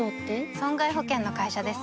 損害保険の会社です